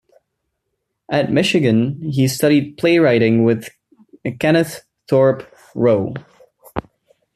At Michigan, he studied play-writing with Kenneth Thorpe Rowe.